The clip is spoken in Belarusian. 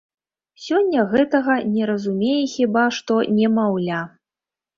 Сёння гэтага не разумее хіба што немаўля.